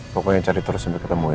pokoknya cari terus untuk ketemu ya